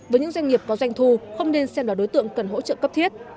với những doanh nghiệp có doanh thu không nên xem là đối tượng cần hỗ trợ cấp thiết